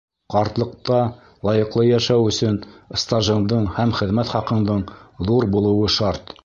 Ҡартлыҡта лайыҡлы йәшәү өсөн стажыңдың һәм хеҙмәт хаҡыңдың ҙур булыуы шарт.